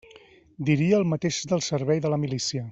Diria el mateix del servei de la milícia.